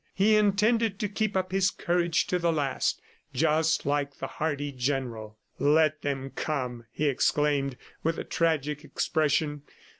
He intended to keep up his courage to the last, just like the hardy general. "Let them come," he exclaimed with a tragic expression.